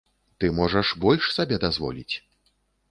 Ты можаш больш сабе дазволіць!